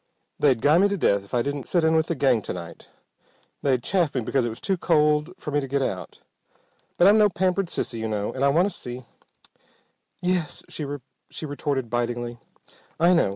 "They'd guy me to death if I didn't sit in with the gang to night. They'd chaff me because it was too cold for me to get out. But I'm no pampered sissy, you know, and I want to see " "Yes," she retorted bitingly, "I know.